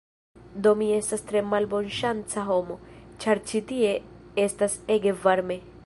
Do mi estas tre malbonŝanca homo, ĉar ĉi tie estas ege varme